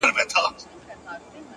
هره پوښتنه د حقیقت لور ته ګام دی!.